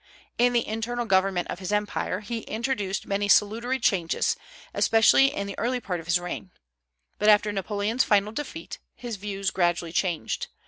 In the internal government of his empire he introduced many salutary changes, especially in the early part of his reign; but after Napoleon's final defeat, his views gradually changed.